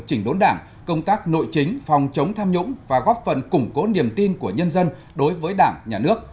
chỉnh đốn đảng công tác nội chính phòng chống tham nhũng và góp phần củng cố niềm tin của nhân dân đối với đảng nhà nước